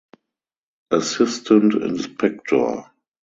Assistant Inspector.